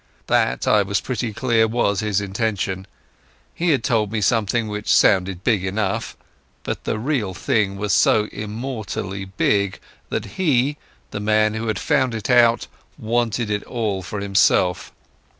That, I was pretty clear, was his intention. He had told me something which sounded big enough, but the real thing was so immortally big that he, the man who had found it out, wanted it all for himself.